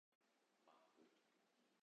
マップ